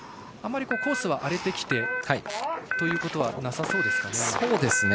あまりコースは荒れてきたということはなさそうですかね。